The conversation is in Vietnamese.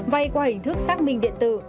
vay qua hình thức xác minh điện tử